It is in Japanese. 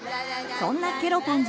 そんなケロポンズ